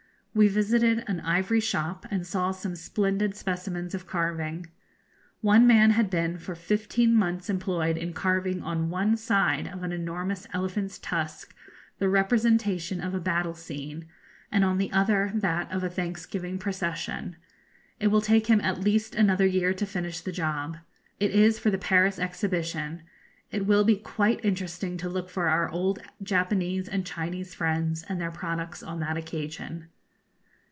We visited an ivory shop, and saw some splendid specimens of carving. One man had been for fifteen months employed in carving on one side of an enormous elephant's tusk the representation of a battle scene, and on the other that of a thanksgiving procession. It will take him at least another year to finish the job. It is for the Paris Exhibition. It will be quite interesting to look for our old Japanese and Chinese friends and their products on that occasion.